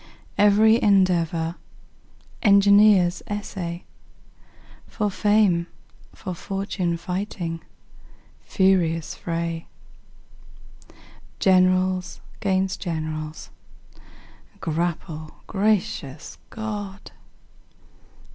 Every endeavor engineers essay, For fame, for fortune fighting furious fray! Generals 'gainst generals grapple gracious God!